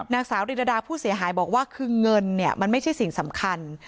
นางสาวริรดาผู้เสียหายบอกว่าคือเงินเนี่ยมันไม่ใช่สิ่งสำคัญ